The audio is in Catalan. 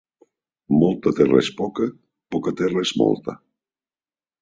Molta terra és poca, poca terra és molta.